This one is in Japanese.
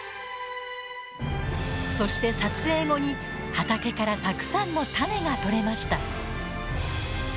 そして撮影後に畑からたくさんの種が取れました。